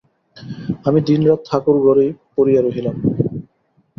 আমি দিনরাত ঠাকুর-ঘরেই পড়িয়া রহিলাম।